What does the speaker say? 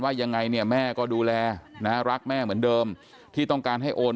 ยังไงเนี่ยแม่ก็ดูแลนะรักแม่เหมือนเดิมที่ต้องการให้โอน